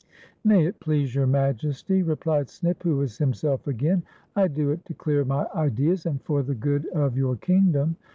" May it please your Majest} ," replied Snip, who was himself again, " I do it to clear my ideas, and for the good of your kingdom.